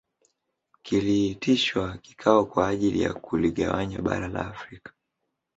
Kiliitishwa kikao kwa ajili ya kuligawanya bara la Afrika